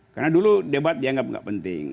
karena dulu debat dianggap gak penting